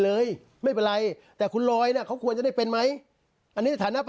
เลยไม่เป็นไรแต่คุณลอยน่ะเขาควรจะได้เป็นไหมอันนี้สถานะ